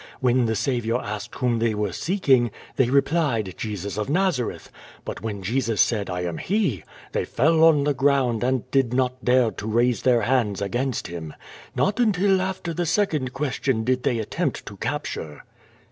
When the Saviour asked whom they were seeking, they replied: 'Jesus of Nazareth,' but when Jesus said, *I am he/ I hey fell on the ground and did not dare to raise their hands apiiii.st him. Not until after the second question did they attempt to capture."